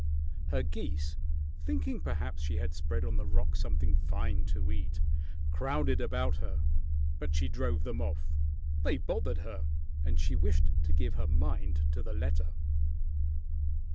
Her geese, thinking perhaps she had spread on the rock something fine to eat, crowded about her, but she drove them off. They bothered her, and she wished to give her mind to the letter.